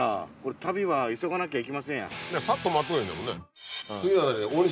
旅は急がなきゃいけませんやん。